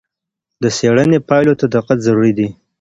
د څېړنې پایلو ته دقت ضروری دی.